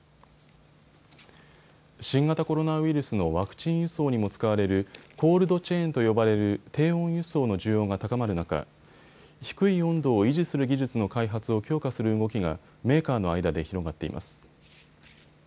新型コロナウイルスのワクチン輸送にも使われるコールドチェーンと呼ばれる低温輸送の需要が高まる中、低い温度を維持する技術の開発を強化する動きがメーカーの間で広がっています。